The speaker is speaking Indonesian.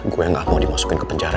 gue gak mau dimasukin ke penjara